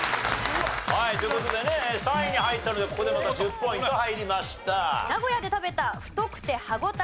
という事でね３位に入ったのでここでまた１０ポイント入りました。